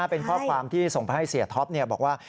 เป็นข้อความที่ส่งไปให้เสียท็อปบอกว่า